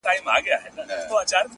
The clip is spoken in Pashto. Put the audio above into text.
o هغې ويل ه ځه درځه چي کلي ته ځو.